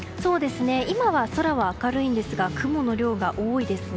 今は空は明るいんですが雲の量が多いですね。